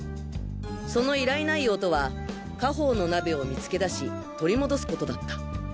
その依頼内容とは家宝の鍋を見つけ出し取り戻すことだった。